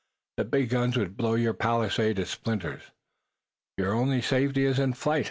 The big guns would blow your palisades to splinters. Your only safety is in flight.